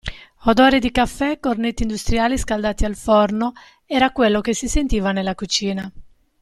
Odore di caffè e cornetti industriali scaldati al forno era quello che si sentiva nella cucina.